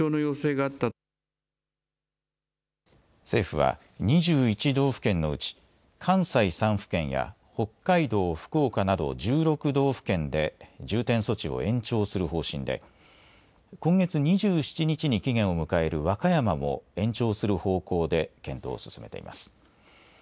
政府は２１道府県のうち関西３府県や北海道、福岡など１６道府県で重点措置を延長する方針で今月２７日に期限を迎える和歌山も延長する方向で検討を進めています。